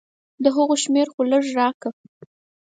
د هغه شميره خو لګه راکه.